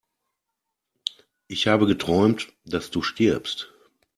Ich habe geträumt, dass du stirbst!